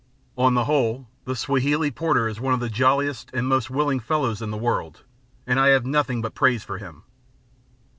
On the whole, the Swahili porter is one of the jolliest and most willing fellows in the world, and I have nothing but praise for him.